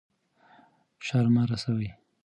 شر مه رسوئ.